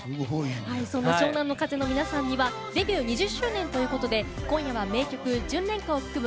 湘南乃風の皆さんにはデビュー２０周年ということで今夜は名曲「純恋歌」を含む